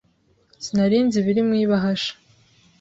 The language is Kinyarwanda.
Sinari nzi ibiri mu ibahasha